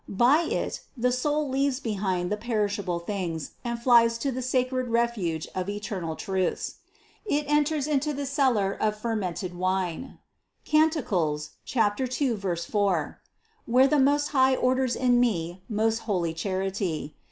By it the soul leaves behind the perishable things and flies to the sacred refuge of eternal truths. It enters into the cellar of fer mented wine (Cant. 2, 4) where the Most High orders in me most holy charity.